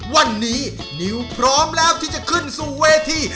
วันนี้นิวพร้อมแล้วที่จะขึ้นสู่เวที